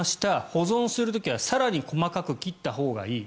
保存する時は更に細かく切ったほうがいい。